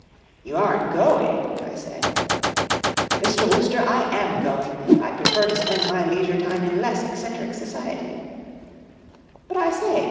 f ' You aren't going ?I said #< Mr. Wooster, I am going ! I prefer to spend my leisure tune in less eccentric society "" But 1 say.